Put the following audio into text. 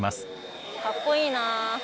かっこいいな。